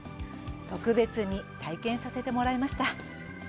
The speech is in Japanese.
特別に体験させてもらいました。